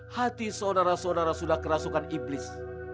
hati saudara saudara sudah kerasukan iblis